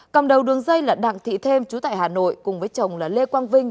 cầm đầu đường dây là đặng thị thêm chú tại hà nội cùng với chồng là lê quang vinh